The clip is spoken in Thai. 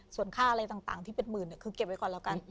ส่วนค่าอะไรต่างที่เป็นหมื่นคือเก็บไว้ก่อนแล้วกัน